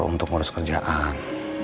untuk urus kerjaan